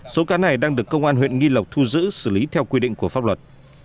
số cá này đang được công an huyện nghi lộc thu giữ xử lý theo quy định của pháp luật